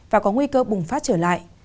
và có nguy cơ bùng phát trở lại